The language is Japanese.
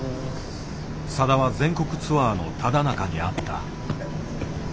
さだは全国ツアーのただなかにあった。